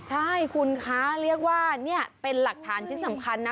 ใช่คุณคะเรียกว่านี่เป็นหลักฐานชิ้นสำคัญนะ